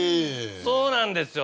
そうなんですよ。